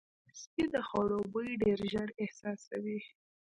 سپي د خوړو بوی ډېر ژر احساسوي.